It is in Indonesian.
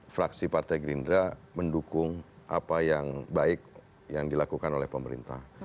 fraksi partai gerindra mendukung apa yang baik yang dilakukan oleh pemerintah